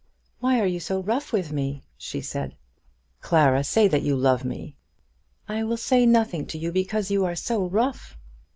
"Why are you so rough with me?" she said. "Clara, say that you love me." "I will say nothing to you because you are so rough."